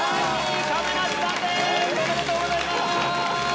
おめでとうございます。